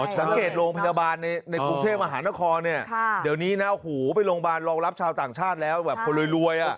สังเกตโรงพยาบาลในกรุงเทพมหานครเนี่ยเดี๋ยวนี้นะหูไปโรงพยาบาลรองรับชาวต่างชาติแล้วแบบคนรวย